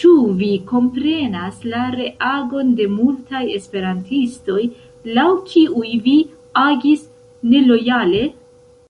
Ĉu vi komprenas la reagon de multaj esperantistoj, laŭ kiuj vi agis nelojale?